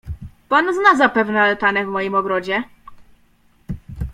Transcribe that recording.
"Pan zna zapewne altanę w moim ogrodzie?"